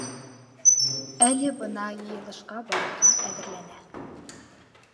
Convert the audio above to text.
Әле бына йыйылышҡа барырға әҙерләнә.